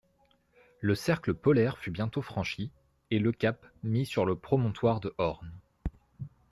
Le cercle polaire fut bientôt franchi, et le cap mis sur le promontoire de Horn.